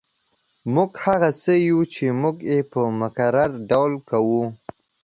موږ هغه څه یو چې موږ یې په مکرر ډول کوو